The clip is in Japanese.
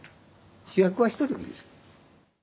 主役は一人でいい。